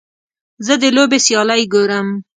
زه د لوبې سیالۍ ګورم.